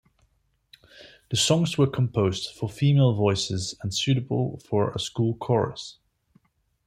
The songs were composed for female voices and suitable for a school chorus.